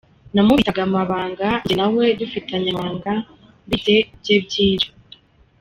Namubitsaga amabanga, njye na we dufitanye amabanga, mbitse bye byinshi.